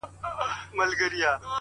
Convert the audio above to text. رنګ په وینو سره چاړه یې هم تر ملا وه-